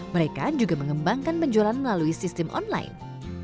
mereka juga mengembangkan penjualan melalui sistem online